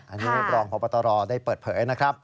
อันนี้รองพบตรได้เปิดเผยนะครับ